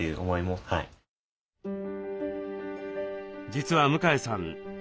実は向江さん